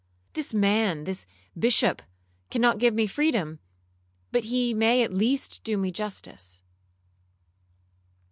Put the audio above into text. This man, this Bishop, cannot give me freedom, but he may at least do me justice.'